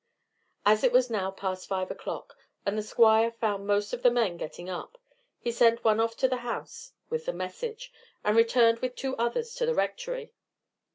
As it was now past five o'clock, and the Squire found most of the men getting up, he sent one off to the house with the message, and returned with two others to the Rectory.